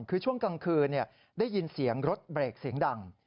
คือช่วงกลางคืนได้ยินเสียงรถเบรกเสียงดัง